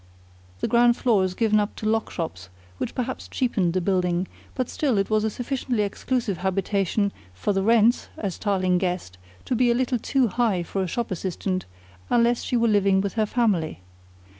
The ground floor is given up to lock up shops which perhaps cheapened the building, but still it was a sufficiently exclusive habitation for the rents, as Tarling guessed, to be a little too high for a shop assistant, unless she were living with her family.